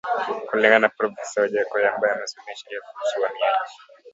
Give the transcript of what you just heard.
Kulingana na profesa Wajackoya ambaye amesomea sheria kuhusu uhamiaji